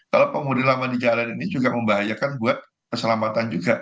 kalau pengemudi lama di jalan ini juga membahayakan buat keselamatan juga